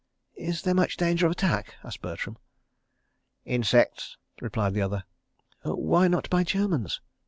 "Is there much danger of attack?" asked Bertram. "Insects," replied the other. "Why not by Germans?"